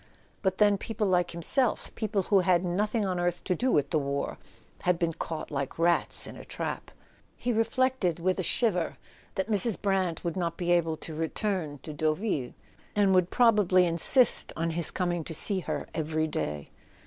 But then people like himself—people who had nothing on earth to do with the war—had been caught like rats in a trap! He re¬ flected with a shiver that Mrs. Brant would not be able to return to Deauville, and would probably insist on his coming to see her every day.